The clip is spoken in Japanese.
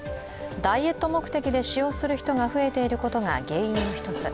ダイエット目的で使用する人が増えていることが原因の一つ。